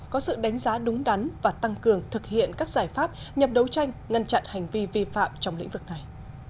có sự đánh giá đúng đắn và tăng cường thực hiện các giải pháp nhằm đấu tranh ngăn chặn hành vi vi phạm trong lĩnh vực này